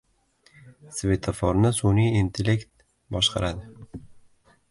“Svetoforni sun'iy intellekt boshqaradi”.